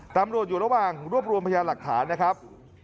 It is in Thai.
ตำรวจอยู่ระหว่างรวบรวมพยานหลักฐานนะครับ